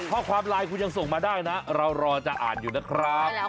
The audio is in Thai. ข้อความไลน์คุณยังส่งมาได้นะเรารอจะอ่านอยู่นะครับ